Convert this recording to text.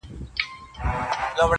دلته ښخ د کلي ټول مړه انسانان دي,